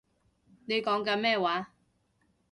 你講緊咩話